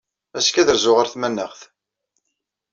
Azekka ad rzuɣ ɣer tmanaɣt.